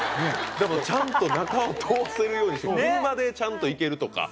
でもちゃんと中を通せるように車でちゃんと行けるとか。